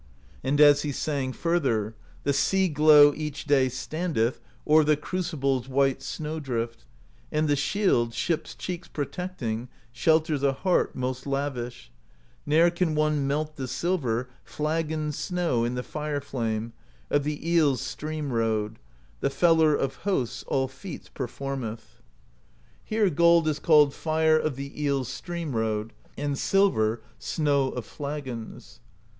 And as he sang further: The Sea Glow each day standeth O'er the Crucible's white Snow Drift, And the shield, ships' cheeks protecting, Shelters a heart most lavish; Ne'er can one melt the silver Flagon Snow in the Fire Flame Of the Eel's Stream Road; the Feller Of Hosts all feats performeth. 176 PROSE EDDA Here gold is called Fire of the Eel's Stream Road; and silver, Snow of Flagons.